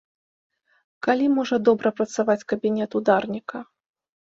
Калі можа добра працаваць кабінет ударніка?